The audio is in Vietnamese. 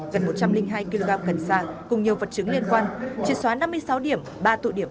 gần một trăm linh hai kg cần xa cùng nhiều vật chứng liên quan triệt xóa năm mươi sáu điểm ba tụ điểm